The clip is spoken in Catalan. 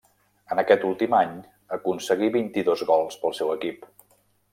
En aquest últim any aconseguí vint-i-dos gols pel seu equip.